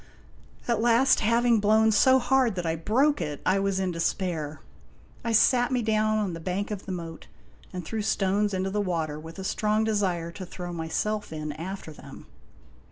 At last, having blown so hard that I broke it, I was in despair. I sat me down on the bank of the moat and threw stones into the water, with a strong desire to throw myself in after them.